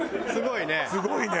すごいね。